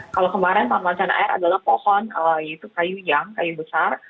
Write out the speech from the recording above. kalau kemarin tanaman air adalah pohon itu kayu yang kayu besar